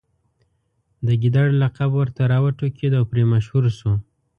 د ګیدړ لقب ورته راوټوکېد او پرې مشهور شو.